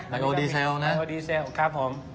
แล้วก็ดีเซลล์นะแล้วก็ดีเซลล์ครับผม